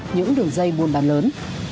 những đường dây buôn bàn lớn